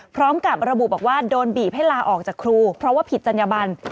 พร้อมกับระบุบอกว่าโดนบีบให้ลาออกจากครูเพราะว่าผิดจัญญบัน